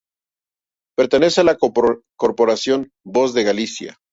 Pertenece a la Corporación Voz de Galicia.